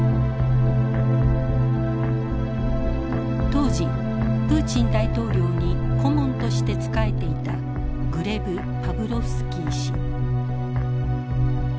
当時プーチン大統領に顧問として仕えていたグレブ・パブロフスキー氏。